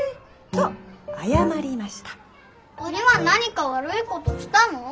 鬼は何か悪いことしたの？